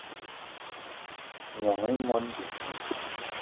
Gnong i moni bidi